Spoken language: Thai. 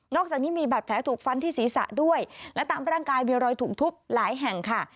อกจากนี้มีบาดแผลถูกฟันที่ศีรษะด้วยและตามร่างกายมีรอยถูกทุบหลายแห่งค่ะ